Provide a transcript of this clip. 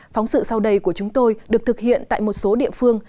phóng sự sau đây của chúng tôi được thực hiện tại một số địa phương